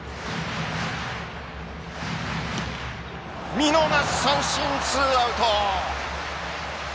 見逃し三振、ツーアウト。